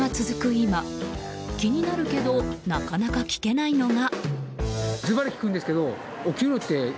今気になるけどなかなか聞けないのが。